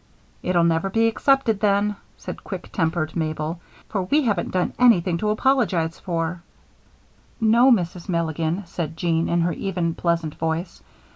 "It'll never be accepted then," said quick tempered Mabel, "for we haven't done anything to apologize for." "No, Mrs. Milligan," said Jean, in her even, pleasant voice.